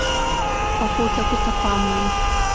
پخو ټکو ته پام وي